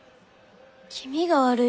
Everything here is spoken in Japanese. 気味が悪いよ。